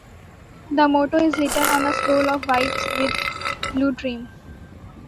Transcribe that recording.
The motto is written on a scroll of white with blue trim.